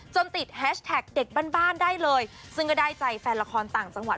ติดแฮชแท็กเด็กบ้านบ้านได้เลยซึ่งก็ได้ใจแฟนละครต่างจังหวัด